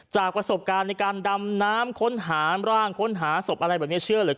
จากประสบการณ์ในการดำน้ำค้นหาร่างค้นหาศพอะไรแบบนี้เชื่อเหลือเกิน